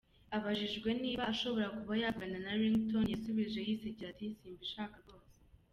Abajijwe niba ashobora kuba yavugana na Ringtone yasubije yisekera ati ” simbishaka rwose.